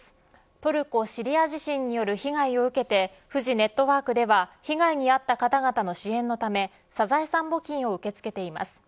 トルコ・シリア地震による被害を受けてフジネットワークでは被害に遭った方々の支援のためサザエさん募金を受け付けています。